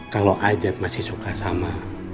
kalau ajat masih suka sama